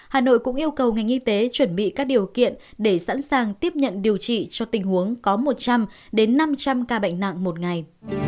hà nội cũng yêu cầu ngành y tế chuẩn bị các điều kiện để sẵn sàng tiếp nhận điều trị cho tình huống có một trăm linh năm trăm linh ca bệnh nặng một ngày